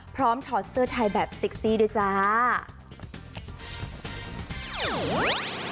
พร้อมถอดเสื้อทายแบบซิกซี่ด้วยจ้า